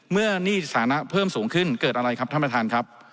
หนี้สถานะเพิ่มสูงขึ้นเกิดอะไรครับท่านประธานครับ